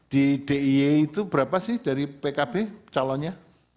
di dia itu berapa sih dari pkb calonnya